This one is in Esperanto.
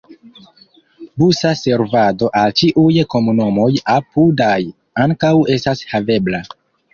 Busa servado al ĉiuj komunumoj apudaj ankaŭ estas havebla.